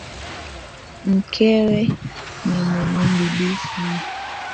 Mkewe ni mwenye bidii sana.